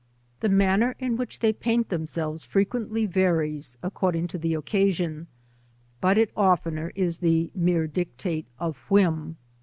The manner in which they paint themselves fre quently varies, according to the occasion, but it oftener is the mere dictate of whim.